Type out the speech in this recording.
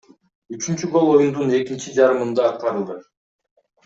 Үчүнчү гол оюндун экинчи жарымында аткарылды.